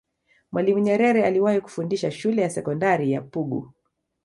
mwalimu nyerere aliwahi kufundisha shule ya sekondari ya pugu